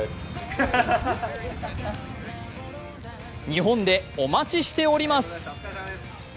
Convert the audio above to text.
日本でお待ちしております。